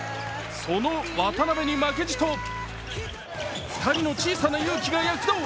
その渡邊に負けじと２人の小さなユウキが躍動。